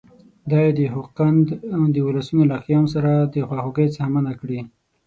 دا یې د خوقند د اولسونو له قیام سره د خواخوږۍ څخه منع کړي.